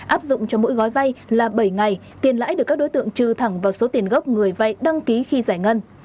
áp dụng cho mỗi gói vay là bảy ngày tiền lãi được các đối tượng trừ thẳng vào số tiền gốc người vay đăng ký khi giải ngân